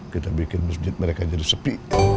kita bikin masjid mereka jadi sepi